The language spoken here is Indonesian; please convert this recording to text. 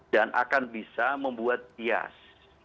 dan akan bisa membuat bias